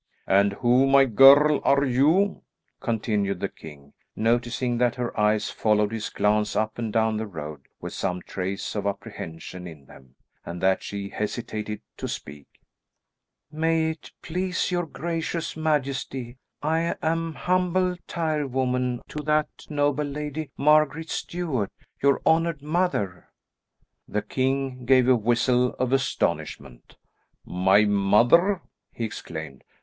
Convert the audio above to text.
"And who, my girl, are you?" continued the king, noticing that her eyes followed his glance up and down the road with some trace of apprehension in them, and that she hesitated to speak. "May it please your gracious majesty, I am humble tirewoman to that noble lady, Margaret Stuart, your honoured mother." The king gave a whistle of astonishment. "My mother!" he exclaimed.